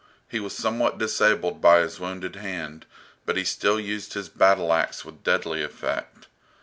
He was somewhat disabled by his wounded hand, but he still used his battle axe with deadly effect.